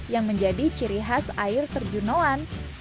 yang menjadi ciri khas air terjun noan